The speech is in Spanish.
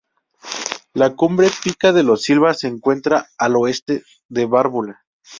La Cumbre Pica de los Silva se encuentra al oeste de Bárbula.